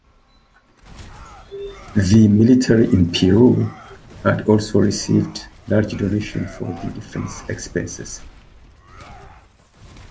The military in Peru had also received large donations for the defense expenses.